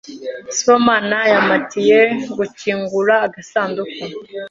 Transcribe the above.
Sibomana yampatiye gukingura agasanduku.